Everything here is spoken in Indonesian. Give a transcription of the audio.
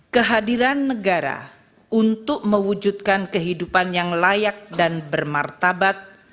kehadiran negara untuk mewujudkan kehidupan yang layak dan bermartabat